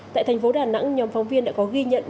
tại thành phố đà nẵng nhóm phóng viên đã có ghi nhận